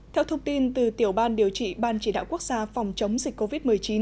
theo thông tin từ tiểu ban điều trị ban chỉ đạo quốc gia phòng chống dịch covid một mươi chín